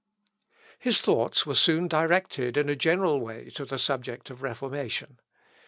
His thoughts were soon directed in a general way to the subject of reformation.